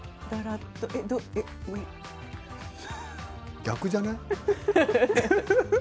逆じゃない？